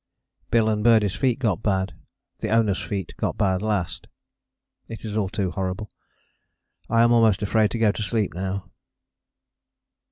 Bill's and Birdie's feet got bad the Owner's feet got bad last. It is all too horrible I am almost afraid to go to sleep now.